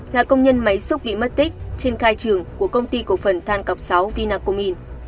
là công nhân máy xúc bị mất tích trên khai trường của công ty cổ phần than cọc sáu vinacomin